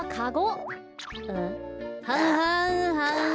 はんはんはんはん。